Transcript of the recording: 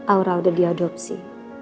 aura udah diadopsi